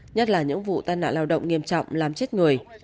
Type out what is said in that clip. nhất là những vụ tai nạn lao động nghiêm trọng làm chết người